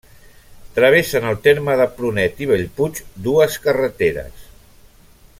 Travessen el terme de Prunet i Bellpuig dues carreteres.